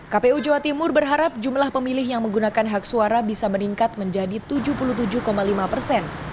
kpu jawa timur berharap jumlah pemilih yang menggunakan hak suara bisa meningkat menjadi tujuh puluh tujuh lima persen